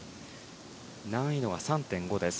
難易度が３．５です。